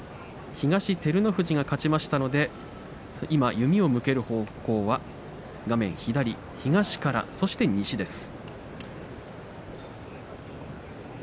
東、照ノ富士が勝ちましたので今、弓を向ける方向が画面左、東からそして西です。